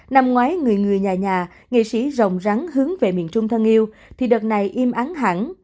năm ngoái người người nhà nhà nghệ sĩ rồng rắn hướng về miền trung thân yêu thì đợt này im ắng hẳn